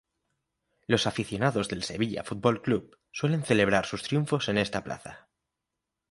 Los aficionados del Sevilla Fútbol Club suelen celebrar sus triunfos en esta plaza.